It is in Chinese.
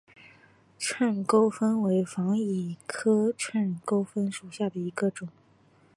秤钩风为防己科秤钩风属下的一个种。